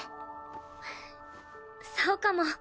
そうかも。